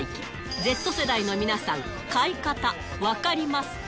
Ｚ世代の皆さん、買い方、分かりますか？